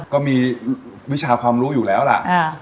ก็มีวิชาความรู้อยู่แล้วล่ะ